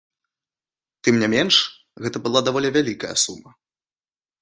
Тым не менш, гэта была даволі вялікая сума.